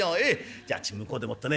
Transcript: じゃあ私向こうでもってね